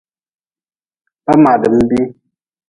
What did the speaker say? Ba maadm bihi.